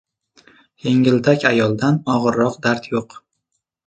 • Yengiltak ayoldan og‘irroq dard yo‘q.